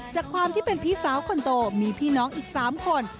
จากความที่เป็นพี่สาวคนโตมีพี่น้องอีก๓คน